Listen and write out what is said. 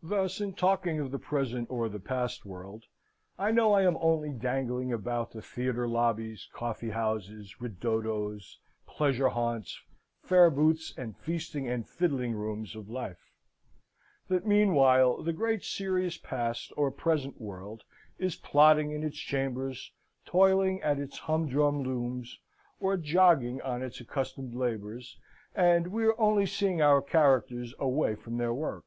Thus, in talking of the present or the past world, I know I am only dangling about the theatre lobbies, coffee houses, ridottos, pleasure haunts, fair booths, and feasting and fiddling rooms of life; that, meanwhile, the great serious past or present world is plodding in its chambers, toiling at its humdrum looms, or jogging on its accustomed labours, and we are only seeing our characters away from their work.